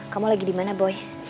kamu lagi dimana boy